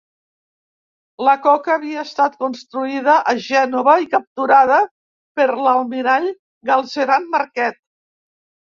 La coca havia estat construïda a Gènova i capturada per l’almirall Galzeran Marquet.